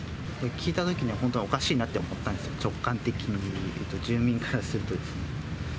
聞いたときには本当、おかしいなと思ったんですよ、直観的にいうと、住民からするとですね。